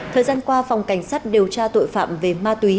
thời gian qua phòng cảnh sát điều tra tội phạm về ma túy